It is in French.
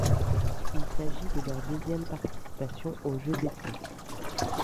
Il s'agit de leur deuxième participation aux Jeux d'été.